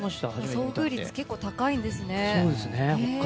遭遇率が結構高いんですね。